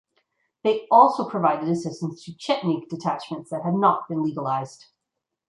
They also provided assistance to Chetnik detachments that had not been legalised.